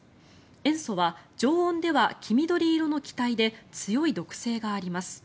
塩素は常温では黄緑色の気体で強い毒性があります。